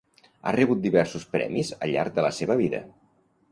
Ha rebut diversos premis al llarg de la seva vida.